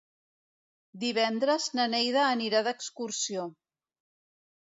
Divendres na Neida anirà d'excursió.